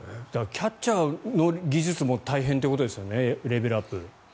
キャッチャーの技術も大変ということですねレベルアップが。